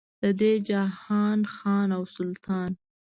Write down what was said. د دې جهان خان او سلطان.